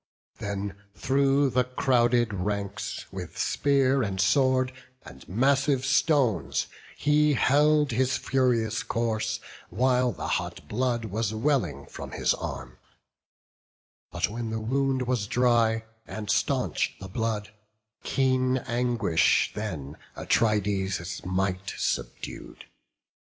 Then through the crowded ranks, with spear and sword, And massive stones, he held his furious course, While the hot blood was welling from his arm; But when the wound was dry, and stanch'd the blood, Keen anguish then Atrides' might subdued.